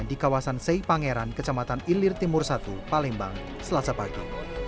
di kawasan sei pangeran kecamatan ilir timur satu palembang selasa pagi